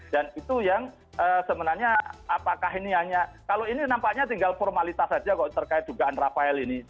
itu yang sebenarnya apakah ini hanya kalau ini nampaknya tinggal formalitas saja kok terkait dugaan rafael ini